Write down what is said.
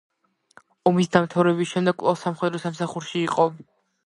ომის დამთავრების შემდეგ კვლავ სამხედრო სამსახურში იყო.